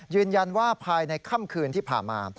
ยืนยันว่าภายในค่ำคืนที่ผ่านมา